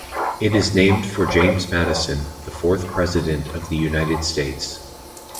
It is named for James Madison, the fourth president of the United States.